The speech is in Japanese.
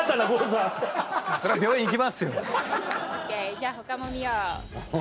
じゃあ他も見よう。